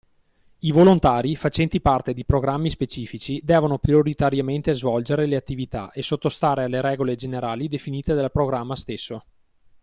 I volontari, facenti parte di programmi specifici, devono prioritariamente svolgere le attività e sottostare alle regole generali definite dal programma stesso.